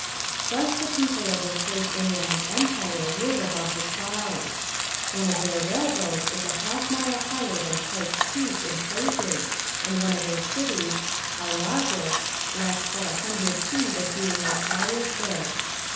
Thus the people of this great inland empire live above the clouds. One of their railroads is a half mile higher than Pike's Peak in places and one of their cities, Aullagus, lacks but a hundred feet of being as high as this.